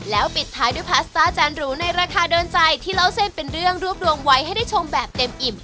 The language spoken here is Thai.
แล้วปิดท้ายด้วยพาสต้าจานหรูในราคาโดนใจที่เล่าเส้นเป็นเรื่องรวบรวมไว้ให้ได้ชมแบบเต็มอิ่ม